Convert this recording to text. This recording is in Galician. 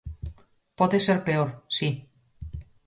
Pode ser peor, si.